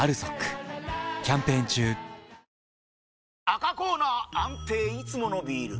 赤コーナー安定いつものビール！